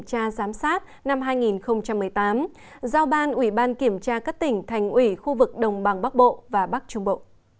tra giám sát năm hai nghìn một mươi tám giao ban ủy ban kiểm tra các tỉnh thành ủy khu vực đồng bằng bắc bộ và bắc trung bộ